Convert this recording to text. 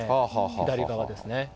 左側ですね。